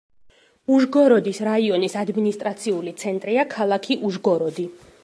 უჟგოროდის რაიონის ადმინისტრაციული ცენტრია ქალაქი უჟგოროდი.